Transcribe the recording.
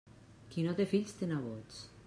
Qui no té fills, té nebots.